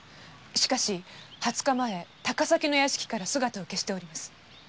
しかし二十日前高崎の屋敷から姿を消しております。